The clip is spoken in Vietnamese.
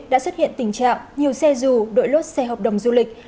đã xuất hiện tình trạng nhiều xe dù đội lốt xe hợp đồng du lịch